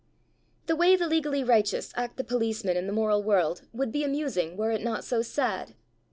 The way the legally righteous act the policeman in the moral world would be amusing were it not so sad.